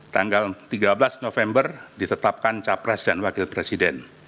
tanggal tiga belas november ditetapkan capres dan wakil presiden